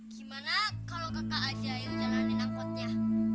gimana kalau kakak aja yang jalanin angkotnya